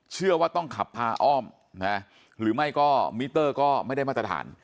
เชื่อว่าต้องขับพาอ้อมนะหรือไม่ก็มิเตอร์ก็ไม่ได้มาตรฐาน